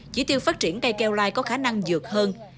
chỉ tiêu phát triển cây keo lai có khả năng dược hơn